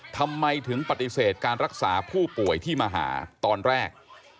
ทำไมถึงปฏิเสธการรักษาผู้ป่วยที่มาหาตอนแรก